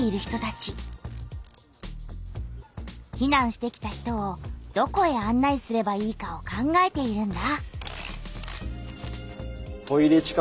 ひなんしてきた人をどこへあん内すればいいかを考えているんだ。